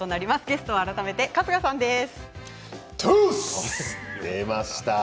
ゲストは改めて春日さんです。